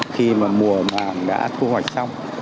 khi mà mùa màng đã thu hoạch xong